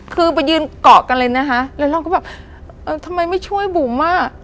คือไปยืนเกาะกันเลยนะคะแล้วเราก็แบบเออทำไมไม่ช่วยบุ๋มอ่ะ